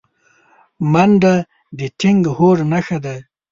منډه د ټینګ هوډ نښه ده